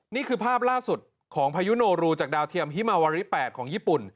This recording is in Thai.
นี่คือภาพล่าสุดของพายุโนรูจากดาวเทียมฮิมาวาริ๘ของญี่ปุ่น